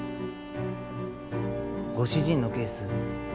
ご主人のケース